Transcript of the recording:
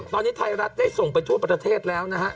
ตอนนี้ไทยรัฐได้ส่งไปทั่วประเทศแล้วนะฮะ